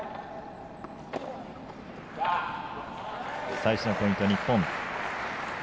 最初のポイント、日本。